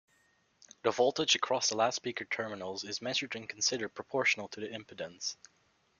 The voltage across the loudspeaker terminals is measured and considered proportional to the impedance.